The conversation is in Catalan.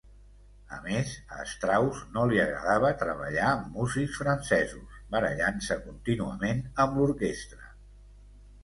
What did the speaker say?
A més, a Strauss no li agradava treballar amb músics francesos, barallant-se contínuament amb l'orquestra.